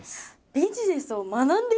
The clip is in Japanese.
ビジネスを学んでいる？